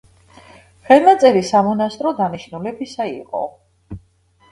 ხელნაწერი სამონასტრო დანიშნულებისა იყო.